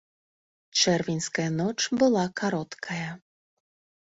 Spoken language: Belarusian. Чэрвеньская ноч была кароткая.